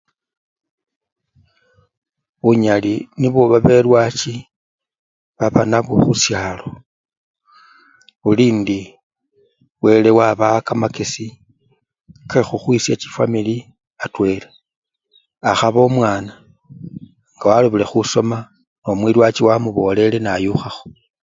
Bunyali nibwo babelwachi babanabwo khusyalo, buli indi wele wabawa kamakesi kekhukhwisya chifwamili atwela, akhaba omwana nga walobele khusoma nomwilwachi wamubolele bayukhakho.